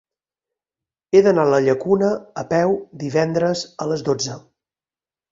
He d'anar a la Llacuna a peu divendres a les dotze.